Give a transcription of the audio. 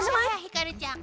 ひかるちゃん。